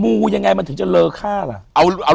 อยู่ที่แม่ศรีวิรัยิลครับ